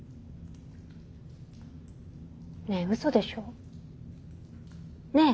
ねえうそでしょねえ！